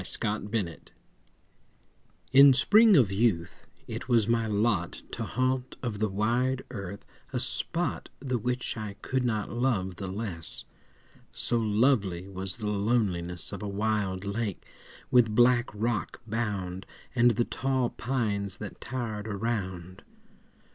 THE LAKE —— TO—— In spring of youth it was my lot To haunt of the wide earth a spot The which I could not love the less— So lovely was the loneliness Of a wild lake, with black rock bound, And the tall pines that tower'd around.